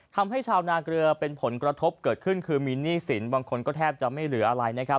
ทำให้ชาวนาเกลือเป็นผลกระทบเกิดขึ้นคือมีหนี้สินบางคนก็แทบจะไม่เหลืออะไรนะครับ